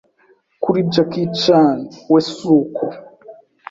kuri Jackie Chan we si uko;